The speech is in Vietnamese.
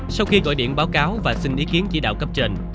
sau khi gọi điện báo cáo và xin ý kiến chỉ đạo cấp trên